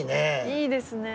いいですね。